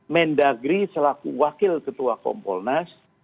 men dagri selaku wakil ketua kompolnas